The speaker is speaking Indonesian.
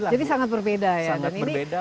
jadi sangat berbeda ya